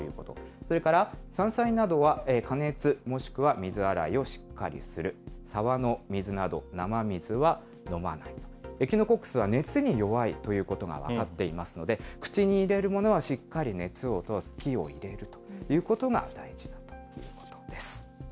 それから山菜などは加熱、もしくは水洗いをしっかりする、沢の水など、生水は飲まない、エキノコックスは熱に弱いということが分かっていますので、口に入れるものはしっかり熱を通す、火を入れるということが大事だということです。